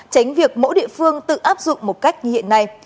tránh việc mỗi địa phương tự áp dụng một cách như hiện nay